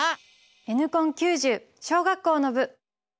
「Ｎコン９０」小学校の部！